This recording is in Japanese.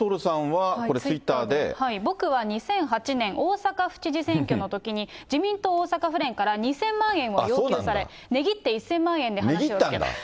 僕は２００８年大阪府知事選挙のときに自民党大阪府連から２０００万円を要求され、値切って１０００万円で話をつけた。